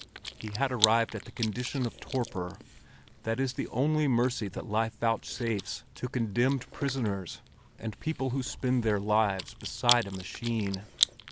He had arrived at the condition of torpor that is the only mercy that life vouchsafes to condemned prisoners and people who spend their lives beside a machine.